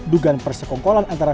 dugaan persekongkolan antara